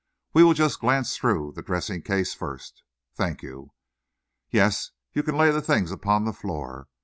We will just glance through the dressing case first. Thank you. Yes, you can lay the things upon the floor.